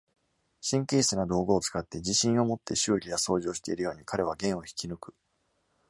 神経質な道具を使って自信を持って修理や掃除をしているように、彼は弦を引き抜く。